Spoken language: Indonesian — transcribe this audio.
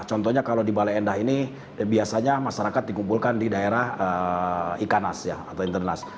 contohnya kalau di balai endah ini biasanya masyarakat dikumpulkan di daerah ikanas atau internas